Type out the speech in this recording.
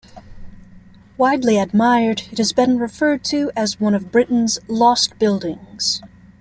Widely admired, it has been referred to as one of Britain's 'lost buildings'.